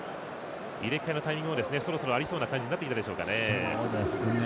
入れ替えのタイミングそろそろありそうな感じになってきたでしょうか。